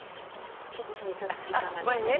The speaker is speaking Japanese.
キッチンに立つ時間が長いです。